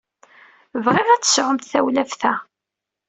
Bɣiɣ ad tesɛumt tawlaft-a.